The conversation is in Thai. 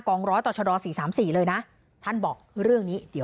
คุยกับตำรวจเนี่ยคุยกับตำรวจเนี่ย